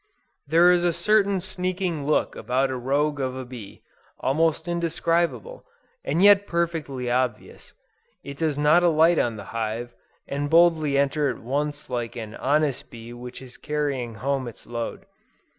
There is a certain sneaking look about a rogue of a bee, almost indescribable, and yet perfectly obvious. It does not alight on the hive, and boldly enter at once like an honest bee which is carrying home its load.